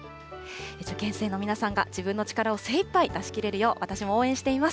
受験生の皆さんが、自分の力を精いっぱい出し切れるよう、私も応援しています。